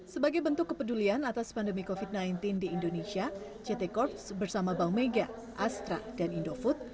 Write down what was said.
sebagai bentuk kepedulian atas pandemi covid sembilan belas di indonesia ct corps bersama bank mega astra dan indofood